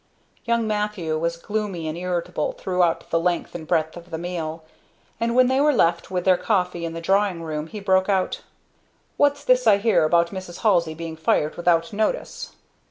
Young Matthew was gloomy and irritable throughout the length and breadth of the meal; and when they were left with their coffee in the drawing room, he broke out, "What's this I hear about Mrs. Halsey being fired without notice?"